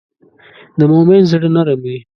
د مؤمن زړه نرم وي.